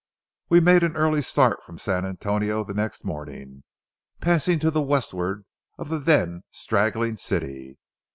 We made an early start from San Antonio the next morning, passing to the westward of the then straggling city.